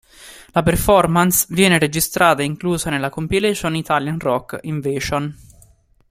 La performance viene registrata e inclusa nella compilation "Italian rock invasion".